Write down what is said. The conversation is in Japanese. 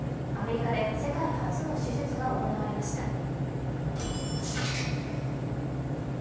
アメリカで世界初の手術が行われました。